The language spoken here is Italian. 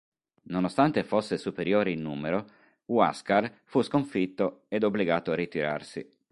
Nonostante fosse superiore in numero, Huáscar fu sconfitto ed obbligato a ritirarsi.